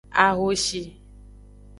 Ahoshi.